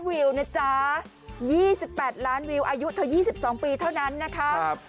วิวนะจ๊ะยี่สิบแปดล้านวิวอายุเธอยี่สิบสองปีเท่านั้นนะคะครับ